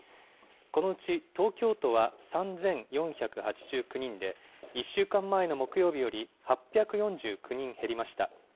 このうち東京都は３４８９人で、１週間前の木曜日より８４９人減りました。